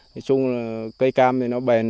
nói chung là cây cam thì nó bền